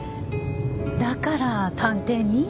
だから探偵に？